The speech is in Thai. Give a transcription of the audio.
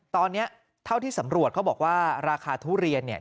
ตอนนี้เท่าที่สำรวจเขาบอกว่าราคาทุเรียนเนี่ย